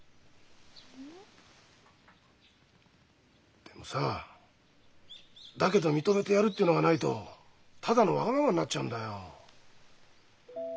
えっ？でもさだけど認めてやるってのがないとただのわがままになっちゃうんだよ。